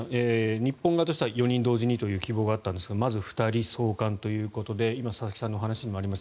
日本側としては４人同時にという希望があったんですがまず２人送還ということで今、佐々木さんのお話にもありました